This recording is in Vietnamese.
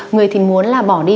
người thì muốn là bỏ đi